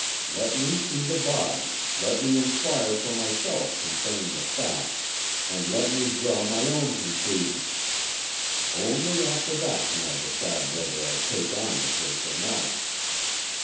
Let me see the body, let me inquire for myself concerning the facts, and let me draw my own conclusions. Only after that can I decide whether I take on the case or not."